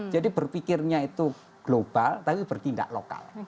jadi berpikirnya itu global tapi bertindak lokal